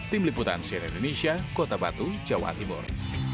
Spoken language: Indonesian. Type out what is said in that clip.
tim liputan cnn indonesia kota batu jawa timur